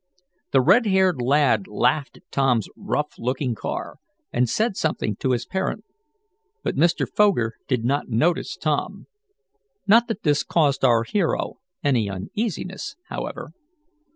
The red haired lad laughed at Tom's rough looking car, and said something to his parent, but Mr. Foger did not notice Tom. Not that this caused our hero any uneasiness, however.